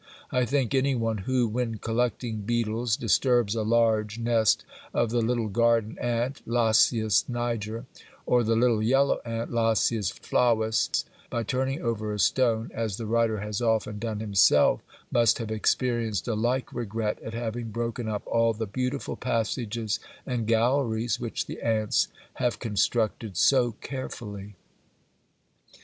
I think any one who, when collecting beetles, disturbs a large nest of the little garden ant (Lasius niger) or the little yellow ant (Lasius flavus) by turning over a stone, as the writer has often done himself, must have experienced a like regret at having broken up all the beautiful passages and galleries which the ants have constructed so carefully.